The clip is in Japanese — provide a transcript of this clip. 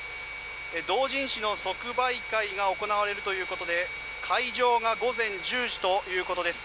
同人誌の即売会が行われるということで開場が午前１０時ということです。